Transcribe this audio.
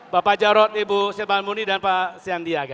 bapak jarod ibu syedman murni dan pak syandiaga